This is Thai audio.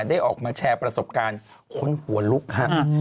ได้ออกมาแชร์ประสบการณ์คนหัวลุกครับ